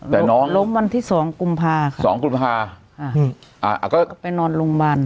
แต่น้องล้มวันที่สองกุมภาค่ะสองกุมภาอ่าก็ไปนอนโรงพยาบาล